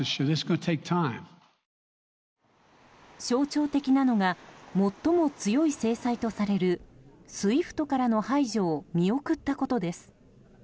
象徴的なのが最も強い制裁とされるＳＷＩＦＴからの排除を見送ったことです。